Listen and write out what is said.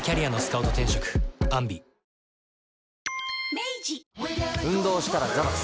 明治運動したらザバス。